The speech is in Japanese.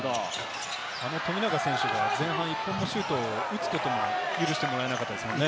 あの富永選手は前半は１本もシュートを打つことを許してもらえなかったですもんね。